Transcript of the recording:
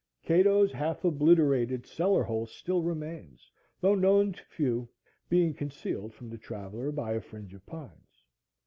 Cato's half obliterated cellar hole still remains, though known to few, being concealed from the traveller by a fringe of pines.